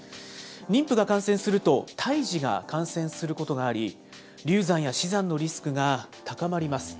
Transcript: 妊婦が感染すると、胎児が感染することがあり、流産や死産のリスクが高まります。